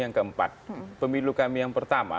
yang keempat pemilu kami yang pertama